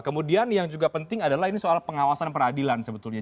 kemudian yang juga penting adalah ini soal pengawasan peradilan sebetulnya